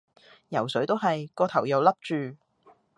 游水都係，個頭又笠住